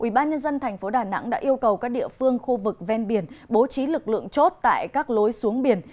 ubnd tp đà nẵng đã yêu cầu các địa phương khu vực ven biển bố trí lực lượng chốt tại các lối xuống biển